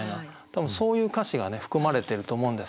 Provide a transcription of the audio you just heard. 多分そういう歌詞が含まれてると思うんですよ。